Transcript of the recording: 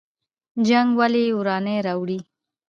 جنګ ولې ورانی راوړي؟